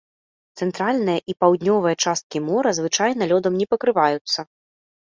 Цэнтральная і паўднёвая часткі мора звычайна лёдам не пакрываюцца.